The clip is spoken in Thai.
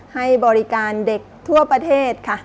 ให้บริการเด็กทั่วประเทศค่ะ